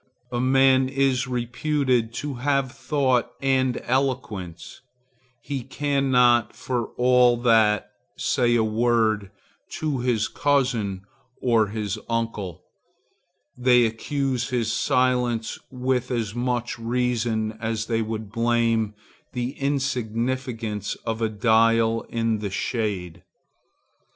A man is reputed to have thought and eloquence; he cannot, for all that, say a word to his cousin or his uncle. They accuse his silence with as much reason as they would blame the insignificance of a dial in the shade.